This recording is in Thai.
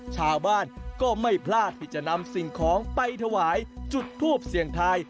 ชาวบ้านก็ไม่พลาดที่จะนำสิ่งของไปถวายจุดทูปเสี่ยงทาย